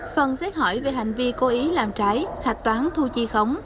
phần xét hỏi về hành vi cố ý làm trái hạch toán thu chi khống